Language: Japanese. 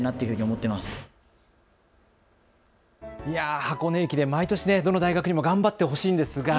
箱根駅伝、毎年どの学校も頑張ってほしいですね。